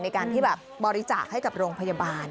ในการที่แบบบริจาคให้กับโรงพยาบาล